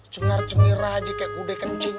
cengar cemira aja kayak kudai kencing